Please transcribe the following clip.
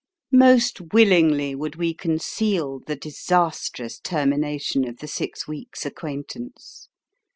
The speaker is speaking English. Most willingly would we conceal the disastrous termination of the six weeks' acquaintance.